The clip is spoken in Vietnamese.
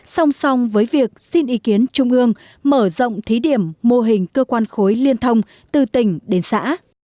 song song với việc xin ý kiến trung ương mở rộng thí điểm mô hình cơ quan khối liên thông từ tỉnh đến xã